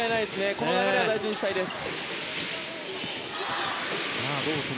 この流れを大事にしたいです。